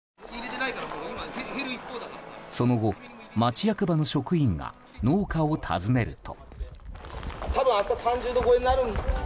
その後、町役場の職員が農家を訪ねると。